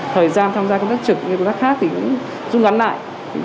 thời gian tham gia công tác trực công tác khác thì cũng dung gắn lại